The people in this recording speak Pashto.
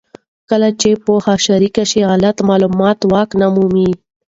کله چې پوهه شریکه شي، غلط معلومات واک نه مومي.